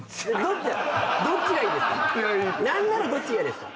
なんならどっちがいいですか？